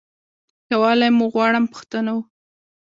یووالی مو غواړم پښتنو.